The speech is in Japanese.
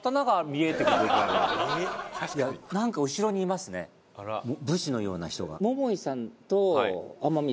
いやなんか後ろにいますね武士のような人が。